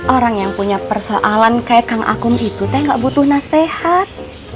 orang yang punya persoalan kayak kang akung itu teh nggak butuh nasihat